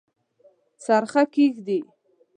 څرخه کښیږدي